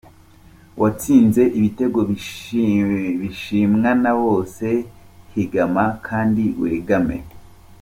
Watsinze ibitego bishimwa na bose, higama kandi wegame.